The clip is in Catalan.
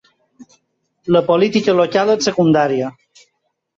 La política local és secundària.